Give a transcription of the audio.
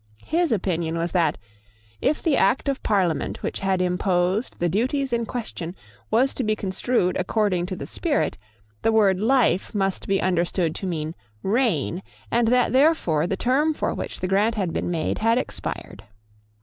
His opinion was that, if the Act of Parliament which had imposed the duties in question was to be construed according to the spirit, the word life must be understood to mean reign, and that therefore the term for which the grant had been made had expired.